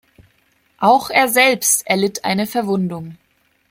Auch er selbst erlitt eine Verwundung.